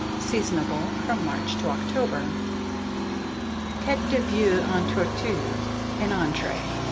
Seasonable from March to October. TETE DE VEAU EN TORTUE (an Entree).